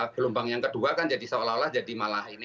gelombang yang kedua kan jadi seolah olah jadi malah ini